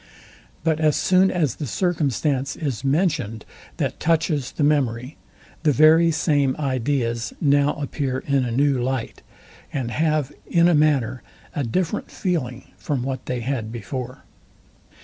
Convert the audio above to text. But as soon as the circumstance is mentioned, that touches the memory, the very same ideas now appear in a new light, and have, in a manner, a different feeling from what they had before.